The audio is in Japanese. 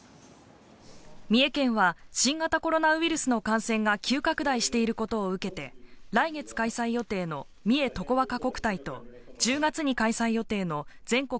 三重県は新型コロナウイルスの感染が急拡大していることを受けて来月開催予定の三重とこわか国体と１０月に開催予定の全国